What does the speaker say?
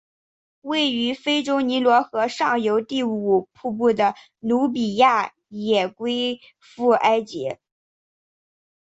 位于非洲尼罗河上游第五瀑布的努比亚也归附埃及。